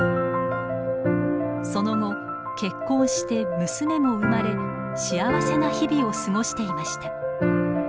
その後結婚して娘も生まれ幸せな日々を過ごしていました。